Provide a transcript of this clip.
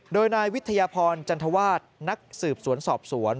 โดยนายวิทยาพรจันทวาสนักสืบสวนสอบสวน